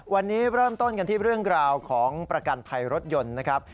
วันนี้เริ่มต้นกันที่เรื่องราวของประกันภัยรถยนต์นะครับ